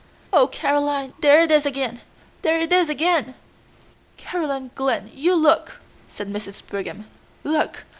"Oh, Caroline, there it is again, there it is again!" "Caroline Glynn, you look!" said Mrs. Brigham. "Look!